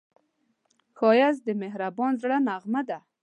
ښایست د مهربان زړه نغمه ده